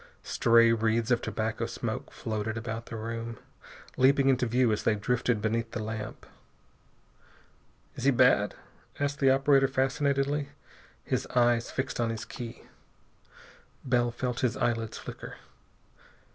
Stray wreaths of tobacco smoke floated about the room, leaping into view as they drifted beneath the lamp. "Is he bad?" asked the operator fascinatedly, his eyes fixed on his key. Bell felt his eyelids flicker.